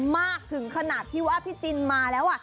มากถึงขนาดที่ว่าพี่จินมาแล้ว